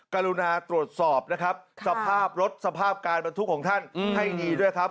กรุณาตรวจสอบนะครับสภาพรถสภาพการบรรทุกของท่านให้ดีด้วยครับ